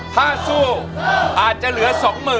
ถ้าสู้อาจจะเหลือ๒๐๐๐